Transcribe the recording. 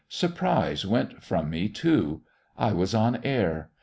Surprise went from me too. I was on air.